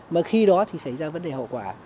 mà khi đó thì xảy ra vấn đề hậu quả